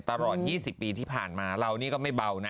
ตลอด๒๐ปีที่ผ่านมาเรานี่ก็ไม่เบานะ